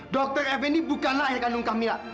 dokter f ini bukanlah air kandung kamila